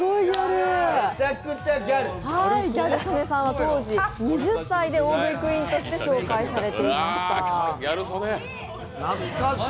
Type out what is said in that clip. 当時２０歳で大食いクイーンとして紹介されていました。